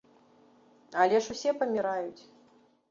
Але ж усе паміраюць.